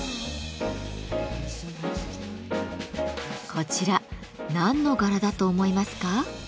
こちら何の柄だと思いますか？